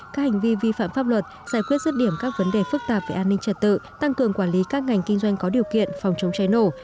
các hành vi vi phạm pháp luật giải quyết rứt điểm các vấn đề phức tạp về an ninh trật tự tăng cường quản lý các ngành kinh doanh có điều kiện phòng chống cháy nổ